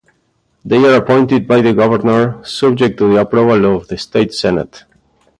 They are appointed by the Governor subject to the approval of the state Senate.